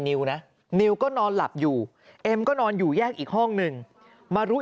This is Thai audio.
นิวนะนิวก็นอนหลับอยู่เอ็มก็นอนอยู่แยกอีกห้องนึงมารู้